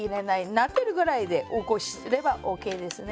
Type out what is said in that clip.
なでるぐらいで起こせばＯＫですね。